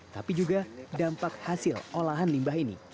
tapi juga dampak hasil olahan limbah ini